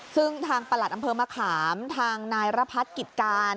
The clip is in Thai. ซึ่งทางประหลัดอำเภอมะขามทางนายรพัฒน์กิจการ